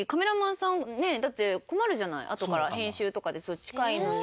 あとから編集とかで近いのに。